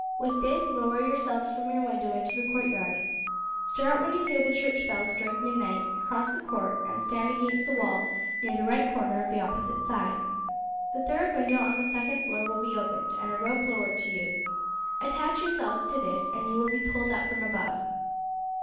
With this lower yourselves from your window into the courtyard. Start when you hear the church bells strike midnight, cross the court and stand against the wall near the right hand corner of the opposite side. The third window on the second floor will be opened, and a rope lowered to you. Attach yourselves to this, and you will be pulled up from above."